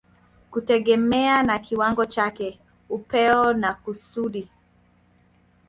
kutegemea na kiwango chake, upeo na kusudi.